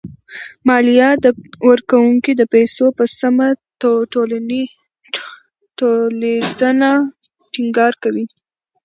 ماليه ورکوونکي د پيسو په سمه ټولېدنه ټېنګار کوي.